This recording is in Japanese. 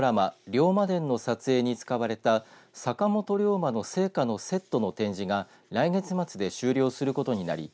龍馬伝の撮影に使われた坂本龍馬の生家のセットの展示が来月末で終了することになり